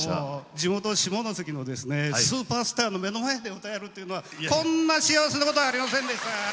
地元・下関のスーパースターの目の前で歌えるというのはこんな幸せなことはありませんでした。